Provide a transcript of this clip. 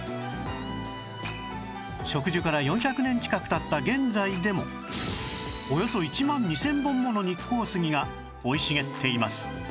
植樹から４００年近く経った現在でもおよそ１万２０００本もの日光杉が生い茂っています